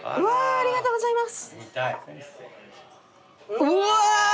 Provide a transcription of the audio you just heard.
ありがとうございます。